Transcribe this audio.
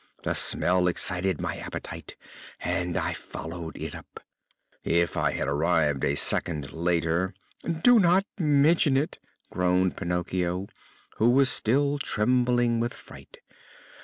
The smell excited my appetite and I followed it up. If I had arrived a second later " "Do not mention it!" groaned Pinocchio, who was still trembling with fright.